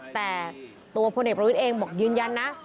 แต่ตัวพลเอกประวิทย์เองบอกยืนยันนะ